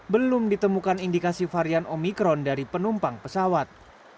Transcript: belum ditemukan indikasi varian omikron dari penumpang pesawat